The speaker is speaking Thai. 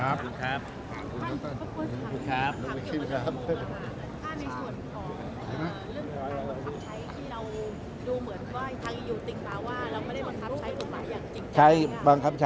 ใช่บางครับใช่เขาไปยอมรับว่าเราบางครับใช่